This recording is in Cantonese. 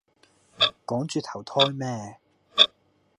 趕住投胎咩